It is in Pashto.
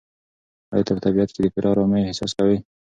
ایا ته په طبیعت کې د پوره ارامۍ احساس کوې؟